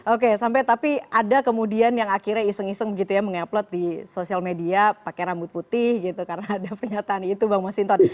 oke sampai tapi ada kemudian yang akhirnya iseng iseng gitu ya mengupload di sosial media pakai rambut putih gitu karena ada pernyataan itu bang masinton